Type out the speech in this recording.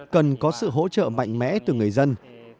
cần có sự hỗ trợ mạnh mẽ từ người dân